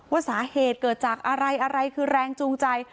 ว่าสาเหตุเกิดจากอะไรอะไรคือแรงจูงใจ